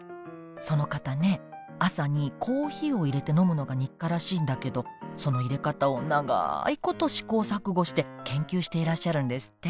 その方ね朝にコーヒーをいれて飲むのが日課らしいんだけどそのいれ方を長いこと試行錯誤して研究していらっしゃるんですって。